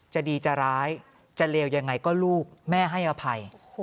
จะดีจะร้ายจะเลวยังไงก็ลูกแม่ให้อภัย